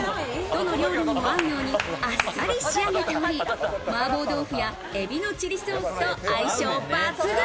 どの料理にも合うように、あっさり仕上げており、マーボー豆腐や海老のチリソースと相性抜群。